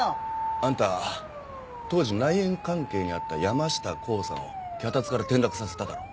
あんた当時内縁関係にあった山下洸さんを脚立から転落させただろう。